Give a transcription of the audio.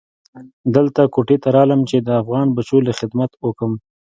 دلته کوټې ته رالم چې د افغان بچو له خدمت اوکم.